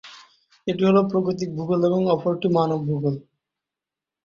একটি হলো প্রাকৃতিক ভূগোল এবং অপরটি মানব ভূগোল।